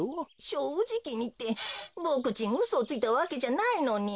「しょうじきに」ってボクちんうそをついたわけじゃないのに。